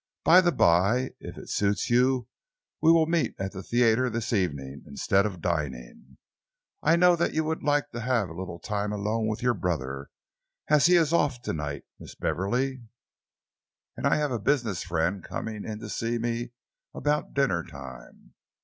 "By the by, if it suits you we will meet at the theatre this evening, instead of dining. I know that you will like to have a little time alone with your brother, as he is off to night, Miss Beverley, and I have a business friend coming in to see me about dinner time.